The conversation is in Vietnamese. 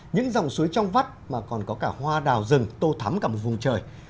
những dòng suối trong vắt mà còn có cả hoa đào rừng tô thắm cả một vùng trời